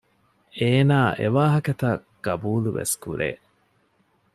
އޭނާ އެވާހަކަތައް ޤަބޫލުވެސް ކުރޭ